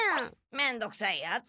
めんどくさいヤツ！